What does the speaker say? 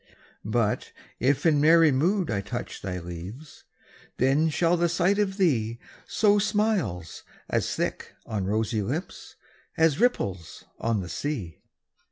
But if in merry mood I touch Thy leaves, then shall the sight of thee Sow smiles as thick on rosy lips As ripples on the sea.